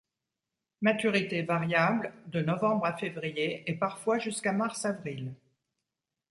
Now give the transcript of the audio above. Maturité variable, de novembre à février et parfois jusqu'à mars-avril.